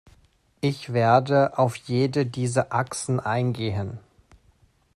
Ich werde auf jede dieser Achsen eingehen.